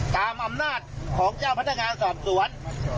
ตามอำนาจของเจ้าพนักงานสอบสวน